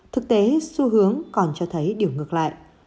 thực tế xu hướng còn cho thấy điều ngược lại